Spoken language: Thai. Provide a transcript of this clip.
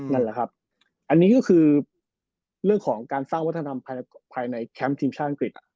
นั่นแหละครับอันนี้ก็คือเรื่องของการสร้างวัฒนธรรมภายในแคมป์ทีมชาติอังกฤษ